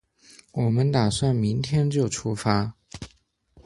我们打算明天就出发